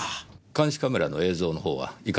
監視カメラの映像のほうはいかがでしたか？